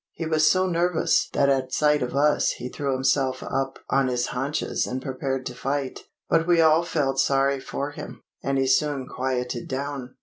He was so nervous that at sight of us he threw himself up on his haunches and prepared to fight; but we all felt sorry for him, and he soon quieted down.